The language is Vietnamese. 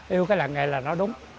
yêu cái làng nghề là nó đúng